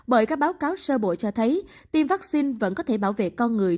bởi các báo cáo sơ bộ cho thấy tiêm vaccine vẫn có thể bảo vệ con người